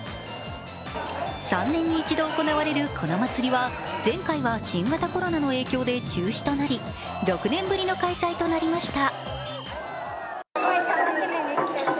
３年に一度行われるこの祭りは前回は新型コロナの影響で中止となり、６年ぶりの開催となりました。